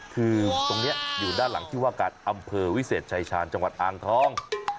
คือตรงนี้อยู่ด้านหลังที่ว่าการอำเภอวิเศษชายชาญจังหวัดอ่างทอง